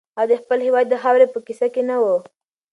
هغه د خپل هېواد د خاورې په کیسه کې نه و.